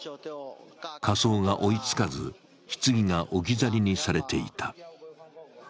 火葬が追いつかず、ひつぎが置き去りにされていた。